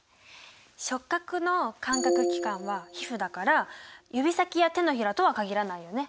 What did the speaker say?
触覚の感覚器官は皮膚だから指先や手のひらとは限らないよね。